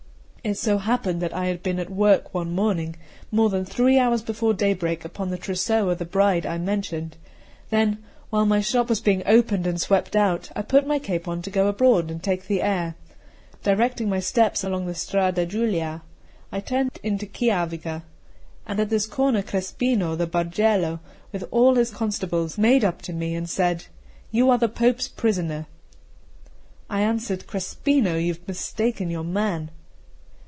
It so happened that I had been at work one morning, more than three hours before daybreak, upon the trousseau of the bride I mentioned; then, while my shop was being opened and swept out, I put my cape on to go abroad and take the air. Directing my steps along the Strada Giulia, I turned into Chiavica, and at this corner Crespino, the Bargello, with all his constables, made up to me, and said: "You are the Pope's prisoner." I answered: "Crespino, you have mistaken your man."